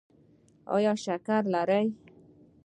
ایا شکر لرئ؟